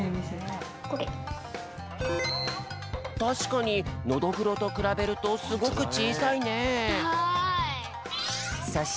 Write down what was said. たしかにノドグロとくらべるとすごくちいさいね。